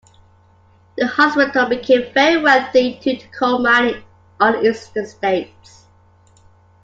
The hospital became very wealthy due to coal mining on its estates.